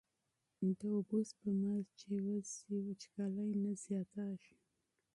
د اوبو سپما چې وشي، وچکالي نه شدېږي.